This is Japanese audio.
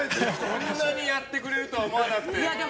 こんなにやってくれるとは思わなくて。